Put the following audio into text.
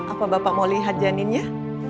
apa bapak mau lihat janinnya